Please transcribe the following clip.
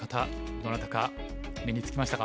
どなたか目につきましたか？